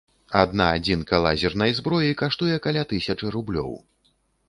Адна адзінка лазернай зброі каштуе каля тысячы рублёў.